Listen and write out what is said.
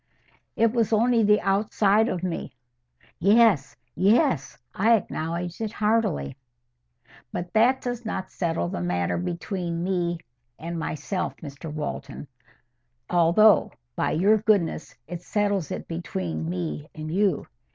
"It was only the outside of me." "Yes, yes; I acknowledge it heartily." "But that does not settle the matter between me and myself, Mr Walton; although, by your goodness, it settles it between me and you.